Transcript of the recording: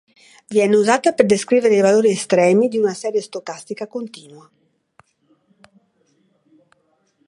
Viene usata per descrivere i valori estremi di una serie stocastica continua.